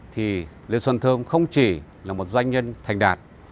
thì lê xuân thơm không chỉ là một doanh nhân thành đạt